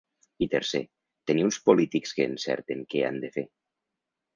I tercer, tenir uns polítics que encerten què han de fer.